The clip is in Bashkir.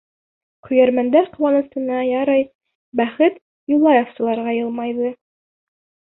Көйәрмәндәр ҡыуанысына, ярай, бәхет юлаевсыларға йылмайҙы.